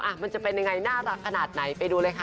มันจะเป็นยังไงน่ารักขนาดไหนไปดูเลยค่ะ